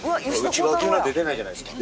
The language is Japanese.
うち和牛なんて出ないじゃないですか。